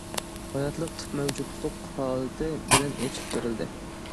ھاياتلىق تۈپ مەۋجۇتلۇق ھالىتى بىلەن ئېچىپ بېرىلدى.